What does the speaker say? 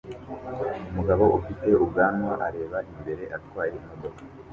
Umugabo ufite ubwanwa areba imbere atwaye imodoka